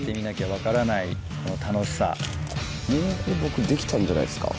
何げにこれ僕できたんじゃないですか？